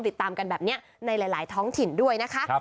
ที่เช่นกันแบบนี้ในหลายหลายท้องถิ่นด้วยนะคะ